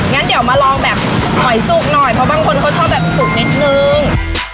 งั้นเดี๋ยวมาลองแบบหอยสุกหน่อยเพราะบางคนเขาชอบแบบสุกนิดนึง